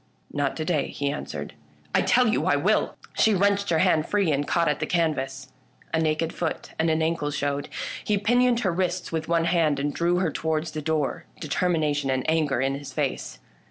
" Not to day," he answered. " I tell you I will !" She wrenched her hand free and caught at the canvas. A naked foot and ankle showed. He pinioned her wrists with one hand and drew her towards the door, determination and anger in his face.